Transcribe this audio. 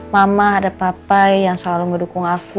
mama ada papa yang selalu mendukung aku